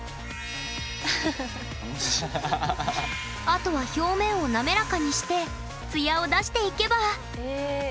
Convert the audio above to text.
あとは表面を滑らかにしてツヤを出していけば。